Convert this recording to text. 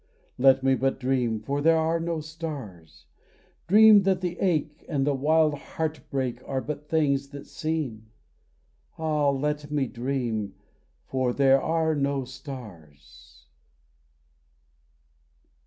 Let me but dream, For there are no stars, Dream that the ache And the wild heart break Are but things that seem. Ah! let me dream For there are no stars.